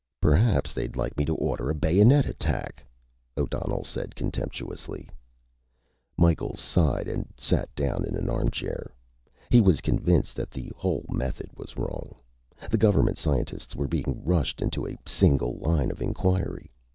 "Perhaps they'd like me to order a bayonet attack," O'Donnell said contemptuously. Micheals sighed and sat down in an armchair. He was convinced that the whole method was wrong. The government scientists were being rushed into a single line of inquiry.